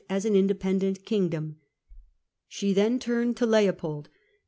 as an independent kingdom. She then turned to Leopold.